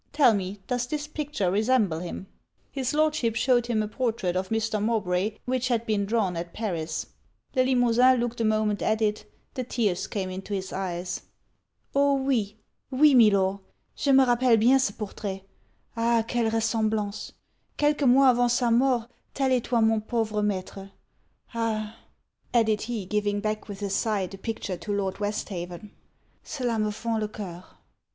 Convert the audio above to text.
Tell me, does this picture resemble him?' His Lordship shewed him a portrait of Mr. Mowbray which had been drawn at Paris. Le Limosin looked a moment at it the tears came into his eyes. '_O oui oui, mi Lor! je me rappelle bien ce portrait! Ah! quel resemblance! Quelques mois avant sa mort tel etoit mon pauvre maitre! Ah!_' added he, giving back, with a sigh, the picture to Lord Westhaven '_cela me fend le coeur!